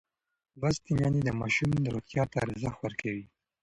لوستې میندې د ماشوم روغتیا ته ارزښت ورکوي.